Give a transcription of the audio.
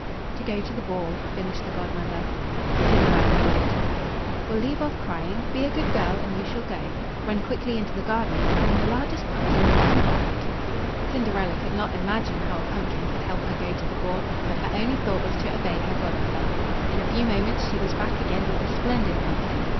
"To go to the ball," finished the Godmother. Cinderella nodded. "Well, leave off crying be a good girl, and you shall go. Run quickly into the garden, and bring the largest pumpkin you can find." Cinderella could not imagine how a pumpkin could help her to go to the ball, but her only thought was to obey her Godmother. In a few moments she was back again, with a splendid pumpkin.